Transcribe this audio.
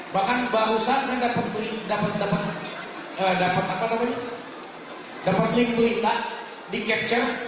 bahkan barusan saya dapat dapat dapat dapat apa namanya dapat pilih perintah di capture